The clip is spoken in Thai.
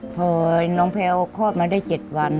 พอน้องแพลวคลอดมาได้๗วัน